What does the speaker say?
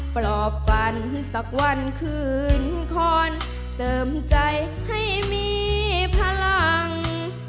ปลอบฝันสักวันคืนคอนเสริมใจให้มีพลัง